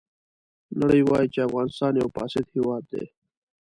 نړۍ وایي چې افغانستان یو فاسد هېواد دی.